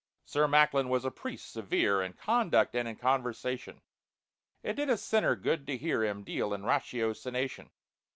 SIR MACKLIN was a priest severe In conduct and in conversation, It did a sinner good to hear Him deal in ratiocination.